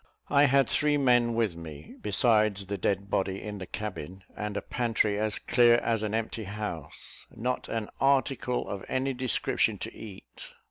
I had three men with me, besides the dead body, in the cabin, and a pantry as clear as an empty house: not an article of any description to eat.